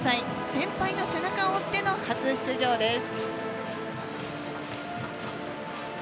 先輩の背中を追っての初出場です。